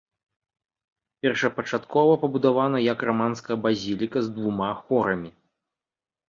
Першапачаткова пабудавана як раманская базіліка з двума хорамі.